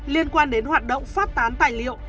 liên quan đến hoạt động phát tán tài liệu